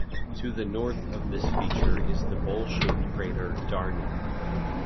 To the north of this feature is the bowl-shaped crater Darney.